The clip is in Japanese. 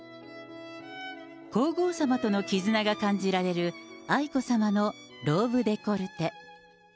皇后さまとの絆が感じられる愛子さまのローブデコルテ。